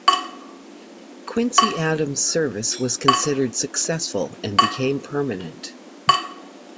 The Quincy Adams service was considered successful and became permanent.